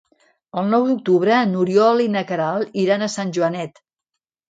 El nou d'octubre n'Oriol i na Queralt iran a Sant Joanet.